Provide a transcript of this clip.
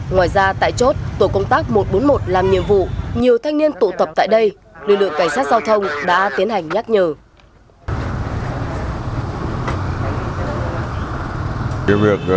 ngoài ra tại chốt tổ công tác một trăm bốn mươi một làm nhiệm vụ nhiều thanh niên tụ tập tại đây lực lượng cảnh sát giao thông đã tiến hành nhắc nhở